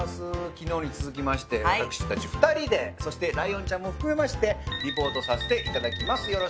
昨日に続きまして私たち２人でそしてライオンちゃんも含めましてリポートさせていただきます。